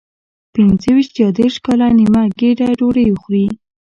پنځه ویشت یا دېرش کاله نیمه ګېډه ډوډۍ خوري.